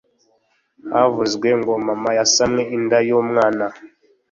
havuzwe ngo mama yasamye inda y umwana